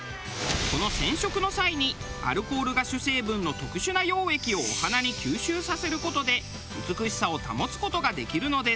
この染色の際にアルコールが主成分の特殊な溶液をお花に吸収させる事で美しさを保つ事ができるのです。